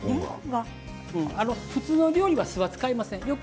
普通の料理はお酢は使いません。